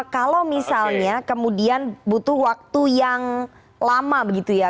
kalau misalnya kemudian butuh waktu yang lama begitu ya